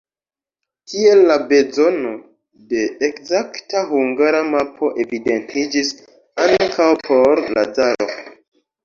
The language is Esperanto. Tiel la bezono de ekzakta Hungara mapo evidentiĝis ankaŭ por Lazaro.